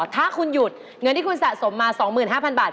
ถ้าคุณหยุดเงินที่คุณสะสมมา๒๕๐๐บาท